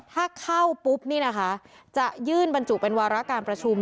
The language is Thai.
ถ้าเข้าปุ๊บนี่นะคะจะยื่นบรรจุเป็นวาระการประชุม